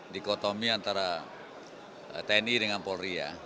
dikotomi antara tni dengan polri ya